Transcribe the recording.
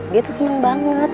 dia tuh seneng banget